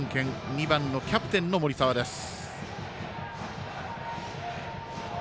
２番のキャプテンの森澤です。